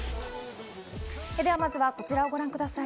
では、まずはこちらをご覧ください。